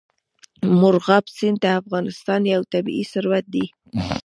مورغاب سیند د افغانستان یو طبعي ثروت دی.